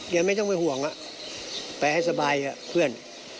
ไม่ต้องไปห่วงไปให้สบายกับเพื่อน